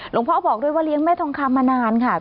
พ่อบอกด้วยว่าเลี้ยงแม่ทองคำมานานค่ะ